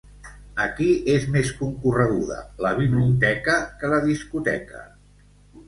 Aquí és més concorreguda la biblioteca que la discoteca